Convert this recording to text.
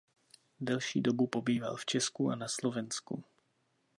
Delší dobu pobýval v Česku a na Slovensku.